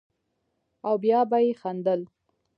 او بيا به يې خندل.